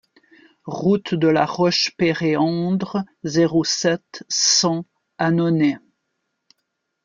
Route de la Roche Péréandre, zéro sept, cent Annonay